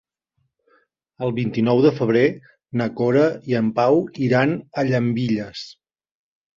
El vint-i-nou de febrer na Cora i en Pau iran a Llambilles.